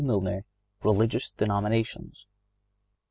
Milner, "Religious Denominations."